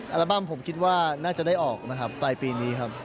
อัลบั้มผมคิดว่าน่าจะได้ออกนะครับปลายปีนี้ครับ